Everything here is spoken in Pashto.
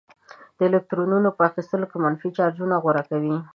د الکترونونو په اخیستلو منفي چارج غوره کوي.